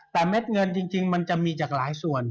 แต่เม็ดเงินจริงมันจะมีจากหลายส่วน